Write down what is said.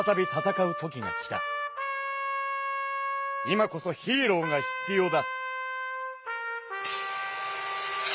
今こそヒーローが必要だ！